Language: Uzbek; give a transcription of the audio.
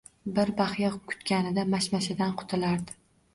Bir baxya kutganida, mashmashadan qutulardi